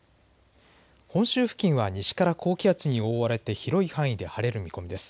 本州付近は西から高気圧に覆われて広い範囲で晴れる見込みです。